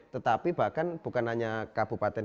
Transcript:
tetapi bahkan bukan hanya kabupaten